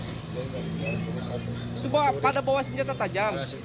itu pada bawa senjata tajam